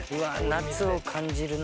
夏を感じるな。